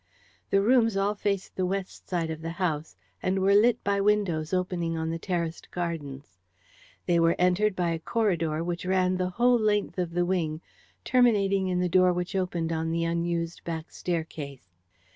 The rooms all faced the west side of the house, and were lit by windows opening on the terraced gardens. They were entered by a corridor which ran the whole length of the wing, terminating in the door which opened on the unused back staircase.